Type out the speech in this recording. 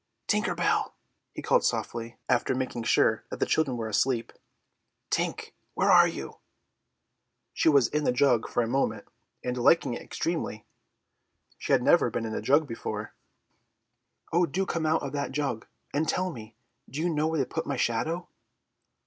"Tinker Bell," he called softly, after making sure that the children were asleep, "Tink, where are you?" She was in a jug for the moment, and liking it extremely; she had never been in a jug before. "Oh, do come out of that jug, and tell me, do you know where they put my shadow?"